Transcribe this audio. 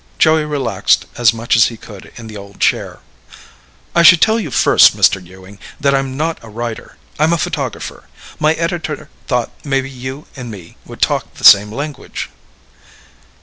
Joey relaxed as much as he could in the old chair. "I should tell you first, Mr. Ewing, that I'm not a writer. I'm a photographer. My editor thought maybe you and me would talk the same language."